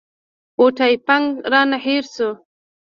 او ټایپینګ رانه هېر شوی